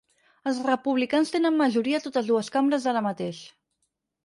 Els republicans tenen majoria a totes dues cambres ara mateix.